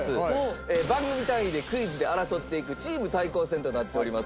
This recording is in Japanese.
番組単位でクイズで争っていくチーム対抗戦となっております。